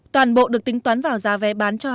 toàn bộ được tính toán vào giá vẻ